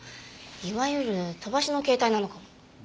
いわゆるとばしの携帯なのかも。